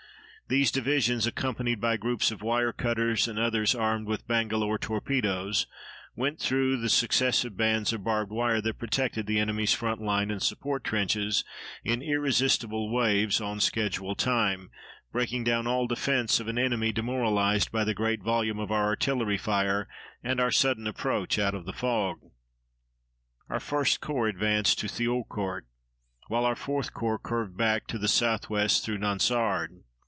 These divisions, accompanied by groups of wire cutters and others armed with bangalore torpedoes, went through the successive bands of barbed wire that protected the enemy's front line and support trenches in irresistible waves on schedule time, breaking down all defense of an enemy demoralized by the great volume of our artillery fire and our sudden approach out of the fog. Our 1st Corps advanced to Thiaucourt, while our 4th Corps curved back to the southwest through Nonsard.